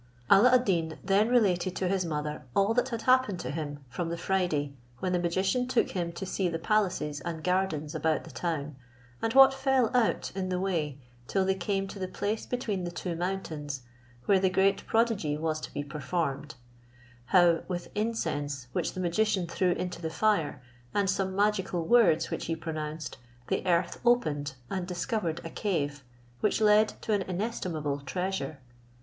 Alla ad Deen then related to his mother all that had happened to him from the Friday, when the magician took him to see the palaces and gardens about the town, and what fell out in the way, till they came to the place between the two mountains where the great prodigy was to be performed; how, with incense which the magician threw into the fire, and some magical words which he pronounced, the earth opened, and discovered a cave, which led to an inestimable treasure.